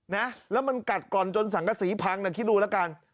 นะแล้วมันกัดก่อนจนสังกษีพังนะคิดดูแล้วกัน